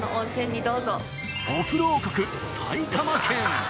お風呂王国、埼玉県。